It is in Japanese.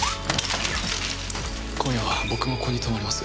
今夜は僕もここに泊まります。